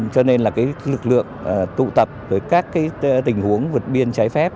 cho nên là lực lượng tụ tập với các tình huống vượt biên trái phép